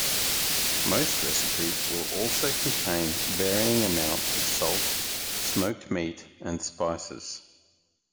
Most recipes will also contain varying amounts of salt, smoked meat, and spices.